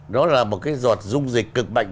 nó là một cái giọt dung dịch cực mạnh